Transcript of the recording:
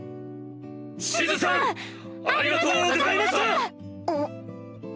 シズさんありがとうございました！